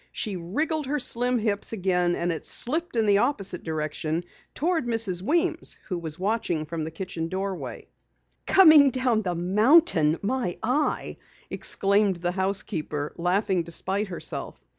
She wriggled her slim hips again, and it slipped in the opposite direction toward Mrs. Weems who was watching from the kitchen doorway. "Coming down the mountain, my eye!" exclaimed the housekeeper, laughing despite herself.